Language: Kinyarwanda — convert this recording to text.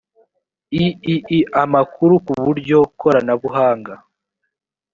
iii amakuru k uburyo koranabuhanga